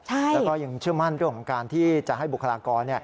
แล้วก็ยังเชื่อมั่นเรื่องของการที่จะให้บุคลากร